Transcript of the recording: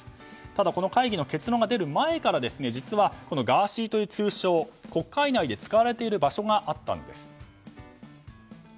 ただ、この会議の結論が出る前からガーシーという通称が国会内で使われている場所があったんです。